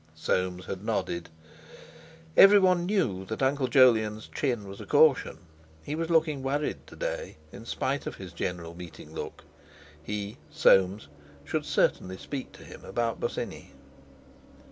Soames had nodded. Everyone knew that Uncle Jolyon's chin was a caution. He was looking worried to day, in spite of his General Meeting look; he (Soames) should certainly speak to him about Bosinney.